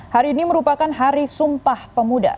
hari ini merupakan hari sumpah pemuda